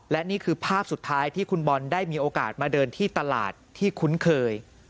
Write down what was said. และนี่คือภาพสุดท้ายที่คุณบอลได้มีโอกาสมาเดินที่ตลาดที่คุ้นเคย